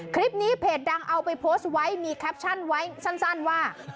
คลิปนี้เพจดังเอาไปโพสต์ไว้มีแคปชั่นไว้สั้นว่า